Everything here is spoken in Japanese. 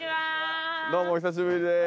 どうもお久しぶりです。